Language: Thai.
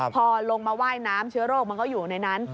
พอลงมาว่ายน้ำเชื้อโรคมันก็อยู่ในนั้น